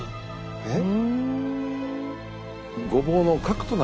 えっ？